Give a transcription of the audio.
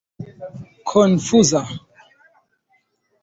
konfuza